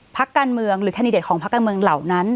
พักการเมืองหรือแคนดิเดตของพักการเมืองเหล่านั้น